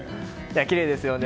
きれいですよね。